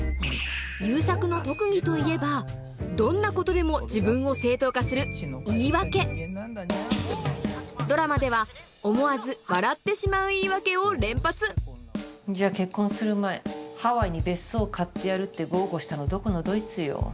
悠作の特技といえばどんなことでも自分を正当化するドラマではを連発じゃ結婚する前ハワイに別荘買ってやるって豪語したのどこのどいつよ。